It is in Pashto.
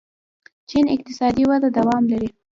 چین اقتصادي وده دوام لري.